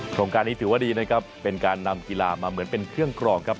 โครงการนี้ถือว่าดีนะครับเป็นการนำกีฬามาเหมือนเป็นเครื่องกรองครับ